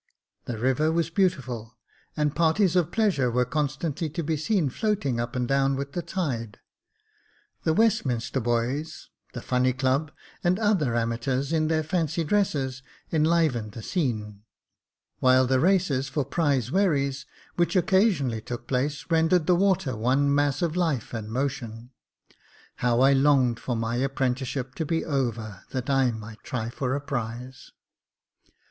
The river was beautiful, and parties of pleasure were constantly to be seen floating up and down with the tide. The Westminster boys, the Funny Club, and other amateurs in their fancy dresses, enlivened the Jacob Faithful 257 scene ; while the races for prize wherries, which occasion ally took place, rendered the water one mass of life and motion. How I longed for my apprenticeship to be over, that I might try for a prize